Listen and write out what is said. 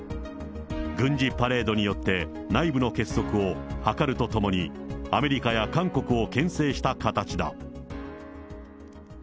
軍事パレードによって内部の結束を図るとともに、アメリカや韓国をけん制した形だ。